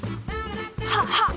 はっはっ！